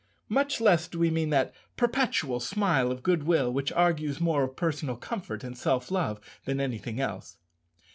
Much less do we mean that perpetual smile of good will which argues more of personal comfort and self love than anything else.